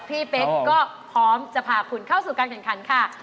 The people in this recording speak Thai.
พี่เป๊กก็พร้อมจะเผ่าคุณเข้าสู่การแข่งครรภ์ค่ะ